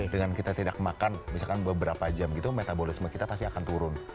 dengan kita tidak makan misalkan beberapa jam gitu metabolisme kita pasti akan turun